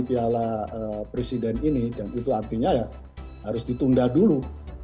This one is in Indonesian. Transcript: piala presiden ini dan itu artinya ya harus ditunda dulu